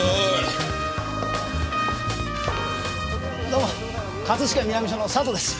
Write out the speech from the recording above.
どうも葛飾南署の佐藤です。